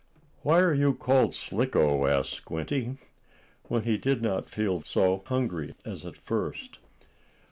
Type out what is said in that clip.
"Why are you called Slicko?" asked Squinty, when he did not feel quite so hungry as at first.